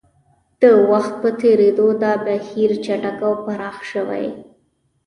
د وخت په تېرېدو دا بهیر چټک او پراخ شوی.